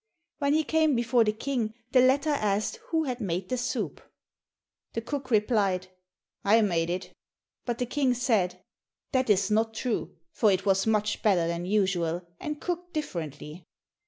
When he came before the King the latter asked who had made the soup? The cook replied, "I made it." But the King said, "That is not true, for it was much better than usual, and cooked differently."